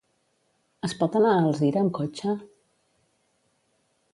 Es pot anar a Alzira amb cotxe?